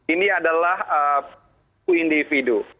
ini adalah individu